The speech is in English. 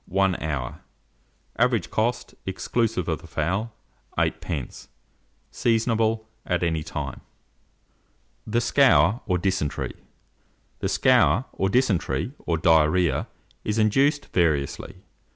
1 hour. Average cost, exclusive of the fowl, 8d. Seasonable at any time. THE SCOUR OR DYSENTERY. The scour, or dysentery, or diarrhoea, is induced variously.